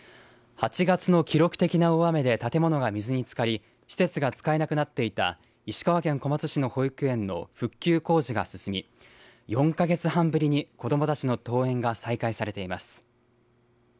８月の記録的な大雨で建物が水につかり施設が使えなくなっていた石川県小松市の保育園の復旧工事が進み４か月半ぶりに子どもたちの登園が再開されています。